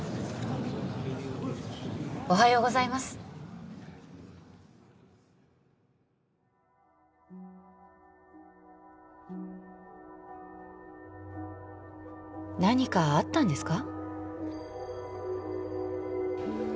おはようございます何かあったんですか？